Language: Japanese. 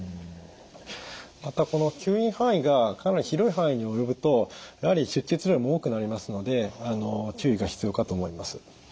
またこの吸引範囲がかなり広い範囲に及ぶとやはり出血量も多くなりますので注意が必要かと思います。